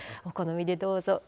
お好みでどうぞ。